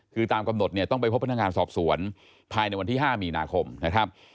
คือตามกำหนดเนี่ยต้องไปพบพนักงานสอบสวนภายในวันที่๕มีนาคมนะครับ